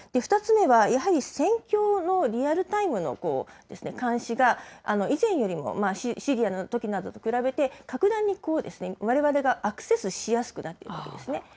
２つ目は、やはり戦況のリアルタイムの監視が以前よりも、シリアのときなどと比べて、格段にわれわれがアクセスしやすくなっているわけですね。